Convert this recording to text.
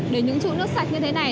để những trụ nước sạch như thế này